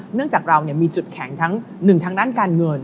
เนื่องจากเรามีจุดแข็งทั้งหนึ่งทางด้านการเงิน